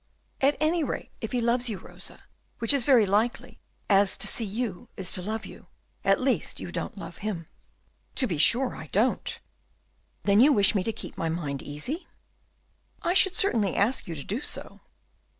"At any rate, if he loves you, Rosa, which is very likely, as to see you is to love you, at least you don't love him." "To be sure I don't." "Then you wish me to keep my mind easy?" "I should certainly ask you to do so."